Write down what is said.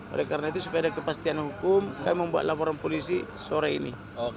oleh karena itu supaya ada kepastian hukum kami membuat laporan polisi sore ini